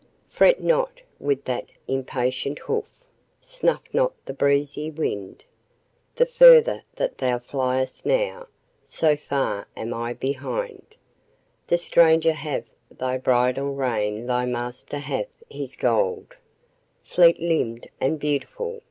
Fret not with that impatient hoof, snuff not the breezy wind, The further that thou fliest now, so far am I behind; The stranger hath thy bridle rein thy master hath his gold Fleet limbed and beautiful!